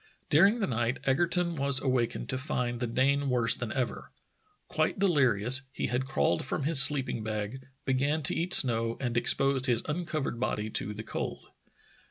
During the night Egerton was awakened to find the Dane worse than ever. Quite delirious, he had crawled from his sleeping bag, began to eat snow, and exposed his uncovered body to the cold.